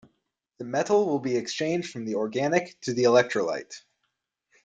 The metal will be exchanged from the organic to the electrolyte.